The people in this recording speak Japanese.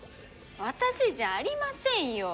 私じゃありませんよ。